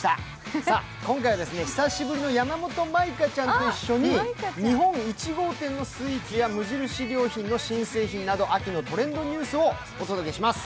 今回は久しぶりの山本舞香ちゃんと一緒に日本１号店のスイーツや無印良品の新商品など、秋のトレンドニュースをお届けします。